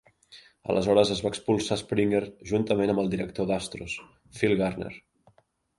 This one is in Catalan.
Aleshores es va expulsar Springer juntament amb el director d'Astros, Phil Garner.